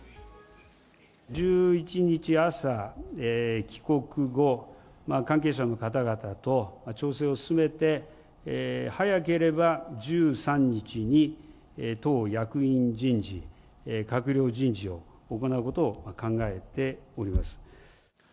１１日朝、帰国後、関係者の方々と調整を進めて、早ければ１３日に、党役員人事、閣僚人事を行うことを考えております。